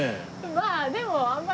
まあでもあんまり。